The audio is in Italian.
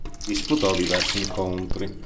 Disputò diversi incontri.